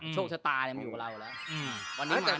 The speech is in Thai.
โชคชะตามันอยู่กับเราแล้ววันนั้นมาแน่